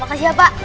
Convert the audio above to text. makasih ya pak